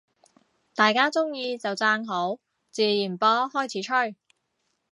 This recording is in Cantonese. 大家鍾意就讚好，自然波開始吹